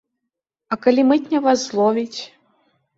А калі мытня вас зловіць?